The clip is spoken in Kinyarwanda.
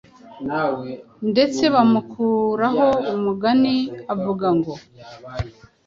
ndetse bamukuraho umugani uvuga ngo